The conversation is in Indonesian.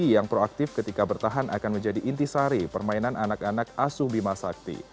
yang proaktif ketika bertahan akan menjadi inti sari permainan anak anak asuh bima sakti